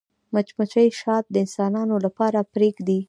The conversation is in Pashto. مچمچۍ شات د انسانانو لپاره پرېږدي